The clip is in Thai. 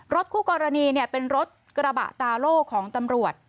คู่กรณีเป็นรถกระบะตาโล่ของตำรวจ